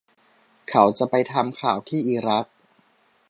เขาจะไปทำข่าวที่อิรัก